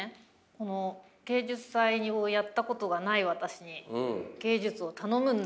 この芸術祭をやったことがない私に芸術を頼むんだと。